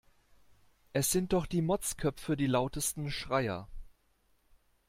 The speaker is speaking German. Es sind doch die Motzköpfe die lautesten Schreier.